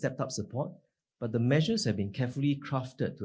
tetapi peraturan telah diperhatikan dengan berhati hati